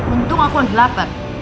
untung aku lagi lapar